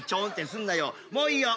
もういいよ。